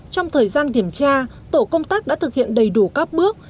trong thời gian kiểm tra tổ công tác đã thực hiện đầy đủ các bước